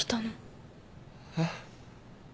えっ？